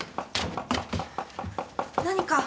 何か？